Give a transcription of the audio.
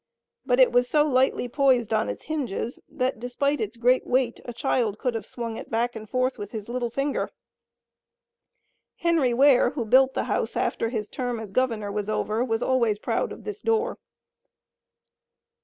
But it was so lightly poised on its hinges, that, despite its great weight, a child could have swung it back and forth with his little finger. Henry Ware, who built the house after his term as governor was over, was always proud of this door.